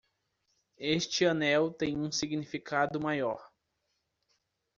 Este anel tem um significado maior